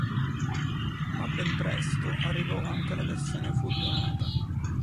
Ma ben presto arrivò anche la versione furgonata.